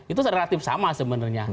itu relatif sama sebenarnya